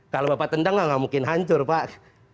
kalau bapak tendang ya nggak mungkin hancur pak